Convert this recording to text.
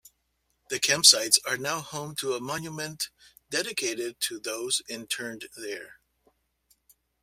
The camp sites are now home to a monument dedicated to those interned there.